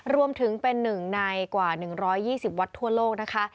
รวมถึงเป็นหนึ่งในกว่า๑๒๐วัดทั่วโลกนะคะ